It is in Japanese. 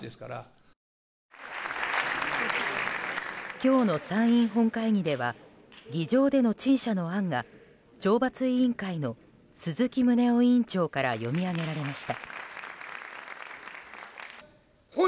今日の参議院本会議では議場での陳謝の案が懲罰委員会の鈴木宗男委員長から読み上げられました。